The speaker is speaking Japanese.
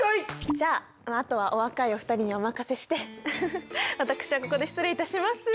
じゃああとはお若いお二人にお任せしてうふふ私はここで失礼いたします。